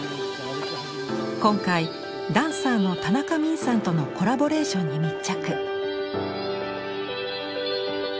今回ダンサーの田中泯さんとのコラボレーションに密着。